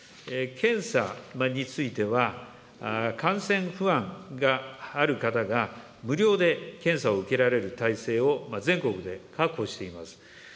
検査については、感染不安がある方が、無料で検査を受けられる体制を全国で確保しています。